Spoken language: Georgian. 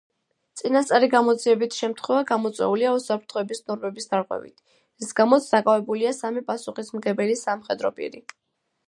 წინასწარი გამოძიებით შემთხვევა გამოწვეულია უსაფრთხოების ნორმების დარღვევით, რის გამოც დაკავებულია სამი პასუხისმგებელი სამხედრო პირი.